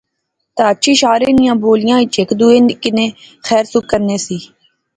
تہ اچھی شارے نیاں بولیا وچ ہیک دوہے کنے خیر سکھ کرنے سے